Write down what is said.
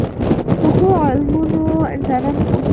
پخو علمونو انسانونه پوهيږي